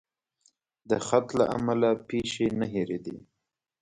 د خط له امله پیښې نه هېرېدې.